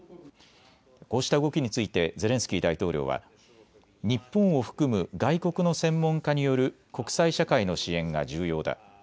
こうした動きについてゼレンスキー大統領は日本を含む外国の専門家による国際社会の支援が重要だ。